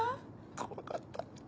怖かった。